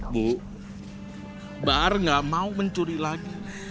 bu bahar nggak mau mencuri lagi